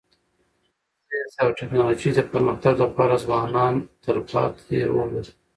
د ساینس او ټکنالوژی د پرمختګ لپاره ځوانان تلپاتي رول لري.